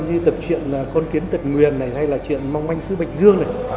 như tập truyện con kiến tật nguyền này hay là chuyện mong manh sư bạch dương này